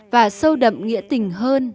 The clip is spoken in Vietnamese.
và sâu đậm nghĩa tình hơn